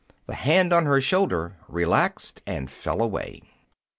The hand on her shoulder relaxed and fell away.